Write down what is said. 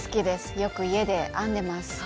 よく家で編んでます。